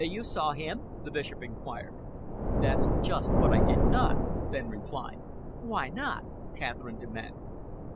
"You saw him?" the Bishop enquired. "That's just what I did not," Fenn replied. "Why not?" Catherine demanded.